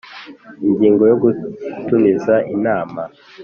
Ingingo yo Gutumiza inama